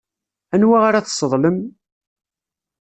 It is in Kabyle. Anwa ara tesseḍlem?